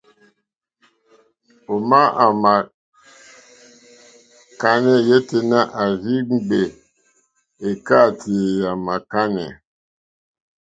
Òmá ò mà kánɛ́ yêténá à rzí ŋgbè èkáàtì à màkánɛ́.